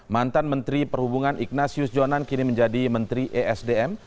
mantan menteri perhubungan ignatius jonan kini menjadi menteri esdm